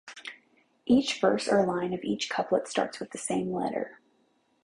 Each verse or line of each couplet starts with the same letter.